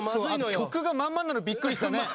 あと曲がまんまなのびっくりしたね！